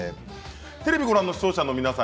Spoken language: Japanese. テレビをご覧の視聴者の皆さん